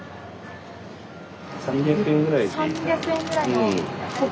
３００円くらいの。